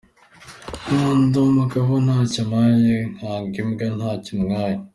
Nkunda umugabo ntacyo ampaye nkanga imbwa ntacyo intwaye.